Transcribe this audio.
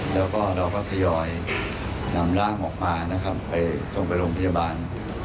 แล้วก็เราก็ทยอยนำร่างออกมานะครับไปส่งไปโรงพยาบาล